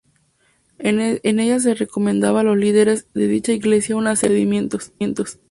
En ella se recomendaba a los líderes de dicha iglesia una serie de procedimientos.